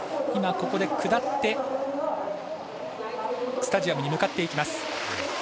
ここで下ってスタジアムに向かっていきます。